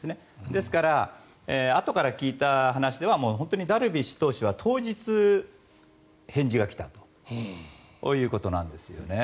ですからあとから聞いた話ではダルビッシュ投手は本当に当日、返事が来たということなんですよね。